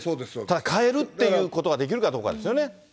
ただ変えるということができるかどうかですよね。